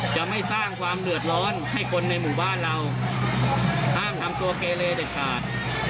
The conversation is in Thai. จะไม่สร้างความเดือดร้อนให้คนในหมู่บ้านเราห้ามทำตัวเกเลเด็ดขาด